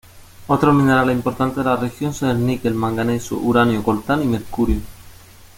Otros minerales importantes de la región son el níquel, manganeso, uranio, coltán y mercurio.